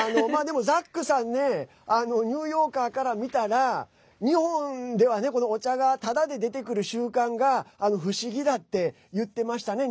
ザックさんニューヨーカーから見たら日本ではお茶がタダで出てくる習慣が不思議だって言ってましたね。